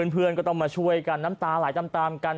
เพื่อนก็ต้องมาช่วยกันน้ำตาไหลตามกัน